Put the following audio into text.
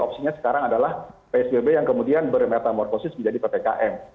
opsinya sekarang adalah psbb yang kemudian bermetamorfosis menjadi ppkm